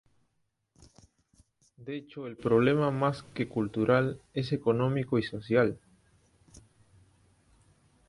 De hecho el problema más que cultural es económico y social.